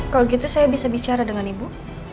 kalau gitu saya bisa bicara dengan ibu